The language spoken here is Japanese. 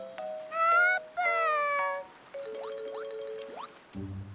あーぷん？